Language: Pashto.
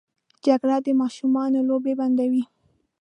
جګړه د ماشومانو لوبې بندوي